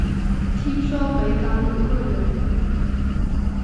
听说北港有个人